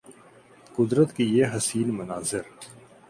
قدرت کے یہ حسین مناظر